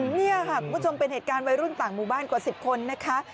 นี่ค่ะคุณผู้ชมเป็นเหตุการณ์วัยรุ่นต่างหมู่บ้านกว่า๑๐คนนะคะ